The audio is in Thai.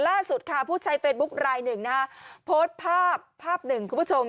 ล่าสุดค่ะผู้ใช้เฟซบุ๊คลายหนึ่งนะฮะโพสต์ภาพภาพหนึ่งคุณผู้ชม